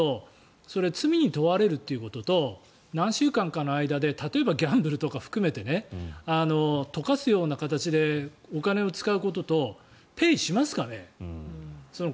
そうなると罪に問われるということと何週間の間でギャンブルとか含めて溶かすような形でお金を使うこととペイしますかね。